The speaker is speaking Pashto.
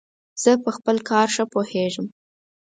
زه په خپل کار ښه پوهیژم.